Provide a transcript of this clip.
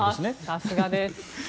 さすがです。